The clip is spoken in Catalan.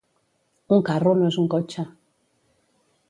Un carro no és un cotxe